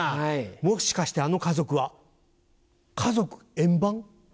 もしかしてあの家族は家族エンバン？